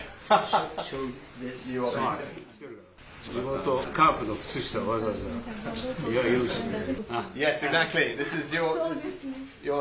地元、カープの靴下をわざわざ用意してくれた。